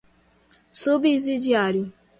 subsidiário